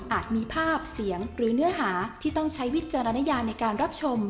มีภาพเสียงหรือเนื้อหาที่ต้องใช้วิจารณญาในการรับชม